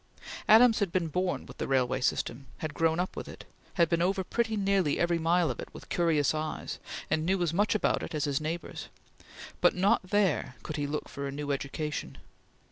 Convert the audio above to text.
Adams had been born with the railway system; had grown up with it; had been over pretty nearly every mile of it with curious eyes, and knew as much about it as his neighbors; but not there could he look for a new education.